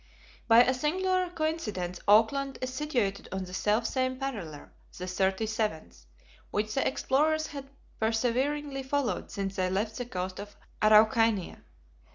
By a singular coincidence Auckland is situated on the self same parallel the thirty seventh which the explorers had perseveringly followed since they left the coast of Araucania.